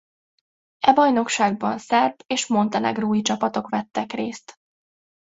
E bajnokságban szerb és montenegrói csapatok vettek részt.